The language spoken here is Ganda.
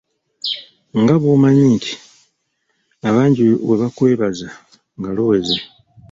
Nga bw'omanyi nti abangi we baakwebaza nga luweze.